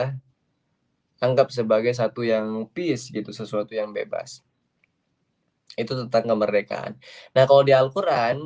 dianggap sebagai satu yang peace gitu sesuatu yang bebas itu tetangga mereka nah kalau di alquran